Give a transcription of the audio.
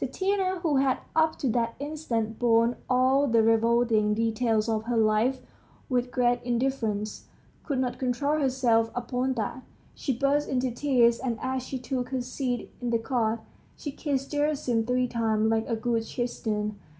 Tatiana, who had up to that instant borne all the revolting details of her life with great indifference, could not control herself upon that; she burst into tears, and as she took her seat in the cart, she kissed Gerasim three times like a good Christian.